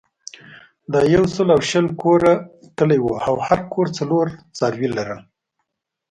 دا یو سل او شل کوره کلی وو او هر کور څلور څاروي لرل.